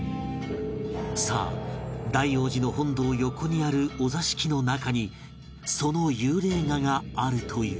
さあ大雄寺の本堂横にあるお座敷の中にその幽霊画があるという